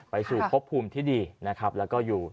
ไปสู่พบภูมิที่ดีนะครับแล้วก็อยู่